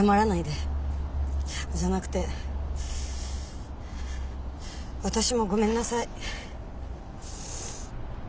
じゃなくて私もごめんなさい。